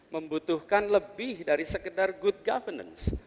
membutuhkan lebih dari sekedar good governance